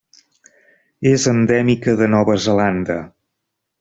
És endèmica de Nova Zelanda.